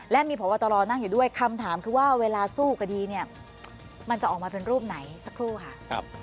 และมีพบตรนั่งอยู่ด้วยคำถามคือว่าเวลาสู้คดีเนี่ยมันจะออกมาเป็นรูปไหนสักครู่ค่ะ